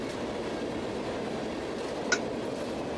现效力于日职球队富山胜利。